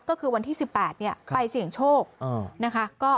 ก็คือวันที่๑๘ไปเสี่ยงโชคนะคะ